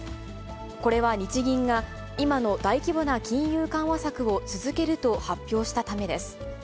これは日銀が、今の大規模な金融緩和策を続けると発表したためです。